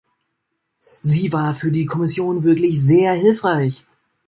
Sie war für die Kommission wirklich sehr hilfreich.